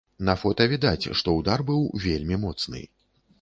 На фота відаць, што ўдар быў вельмі моцны.